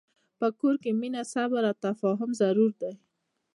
په کور کې مینه، صبر، او تفاهم ضرور دي.